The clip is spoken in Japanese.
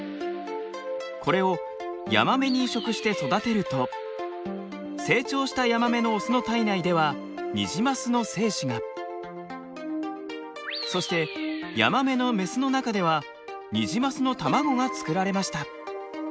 これをヤマメに移植して育てると成長したヤマメのオスの体内ではニジマスの精子がそしてヤマメのメスの中ではニジマスの卵が作られました。